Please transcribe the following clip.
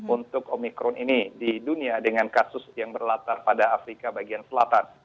untuk omikron ini di dunia dengan kasus yang berlatar pada afrika bagian selatan